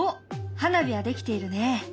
花火は出来ているね。